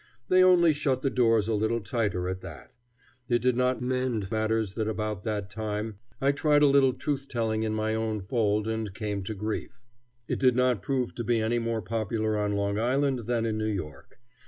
They only shut the doors a little tighter at that. It did not mend matters that about that time I tried a little truth telling in my own fold and came to grief. It did not prove to be any more popular on Long Island than in New York.